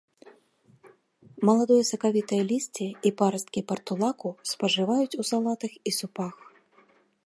Маладое сакавітае лісце і парасткі партулаку спажываюць у салатах і супах.